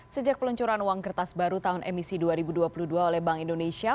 sejak peluncuran uang kertas baru tahun emisi dua ribu dua puluh dua oleh bank indonesia